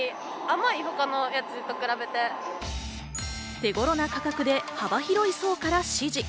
手頃な価格で幅広い層から支持。